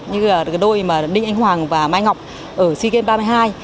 như đôi đinh anh hoàng và mai ngọc ở sea games ba mươi hai